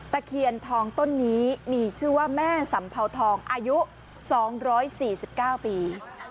ตะเขียนทองต้นนี้มีชื่อว่าแม่สัมเภาทองอายุสองร้อยสี่สิบเก้าปีอ๋อ